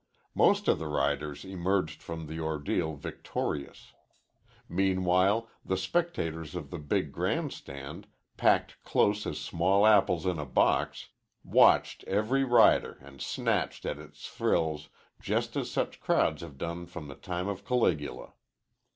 Most of the riders emerged from the ordeal victorious. Meanwhile the spectators in the big grand stand, packed close as small apples in a box, watched every rider and snatched at its thrills just as such crowds have done from the time of Caligula.